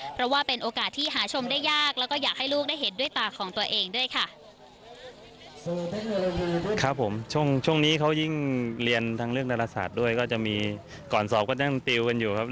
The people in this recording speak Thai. เพราะว่าเป็นโอกาสที่หาชมได้ยากแล้วก็อยากให้ลูกได้เห็นด้วยตาของตัวเองด้วยค่ะ